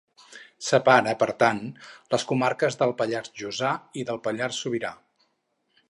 Separa, per tant, les comarques del Pallars Jussà i del Pallars Sobirà.